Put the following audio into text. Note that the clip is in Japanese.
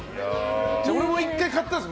俺も１回、買ったんです